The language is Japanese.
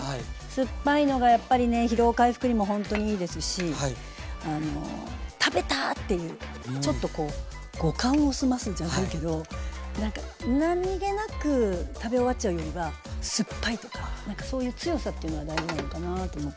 酸っぱいのがやっぱりね疲労回復にもほんとにいいですし食べた！っていうちょっとこう五感を澄ますじゃないけど何気なく食べ終わっちゃうよりは酸っぱいとか何かそういう強さっていうのは大事なのかなと思って。